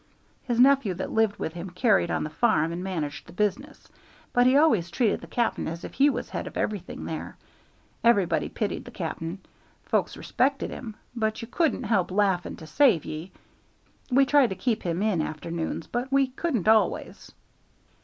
His nephew that lived with him carried on the farm, and managed the business, but he always treated the cap'n as if he was head of everything there. Everybody pitied the cap'n; folks respected him; but you couldn't help laughing, to save ye. We used to try to keep him in, afternoons, but we couldn't always."